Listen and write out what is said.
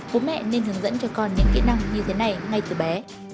bố mẹ nên hướng dẫn cho con những kỹ năng như thế này ngay từ bé